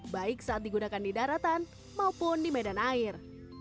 baik saat digunakan di daratan maupun di medan air